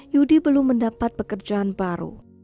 yudi belum mendapat pekerjaan baru